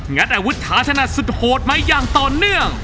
ัดอาวุธถาธนัดสุดโหดมาอย่างต่อเนื่อง